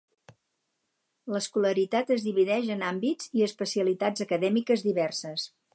L'escolaritat es divideix en àmbits i especialitats acadèmiques diverses.